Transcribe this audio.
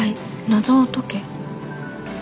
「謎を解け」。